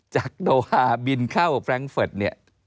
โดฮาบินเข้าแฟรงเฟิร์ตเนี่ย